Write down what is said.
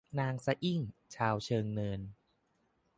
นางสะอิ้งชาวเชิงเนิน